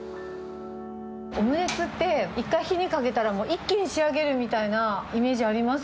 オムレツって、一回火にかけたら、もう一気に仕上げるみたいなイメージあります